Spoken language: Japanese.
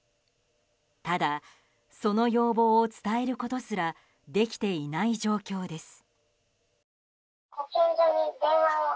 ただその要望を伝えることすらできていない状況です。